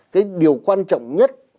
cái điều quan trọng nhất